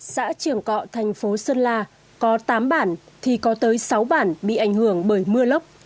xã trường cọ thành phố sơn la có tám bản thì có tới sáu bản bị ảnh hưởng bởi mưa lốc